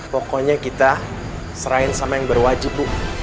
pokoknya kita serahin sama yang berwajib bu